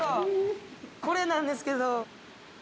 これなんですけど。